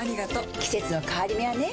季節の変わり目はねうん。